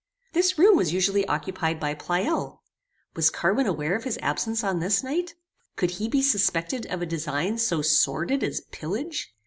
This room was usually occupied by Pleyel. Was Carwin aware of his absence on this night? Could he be suspected of a design so sordid as pillage?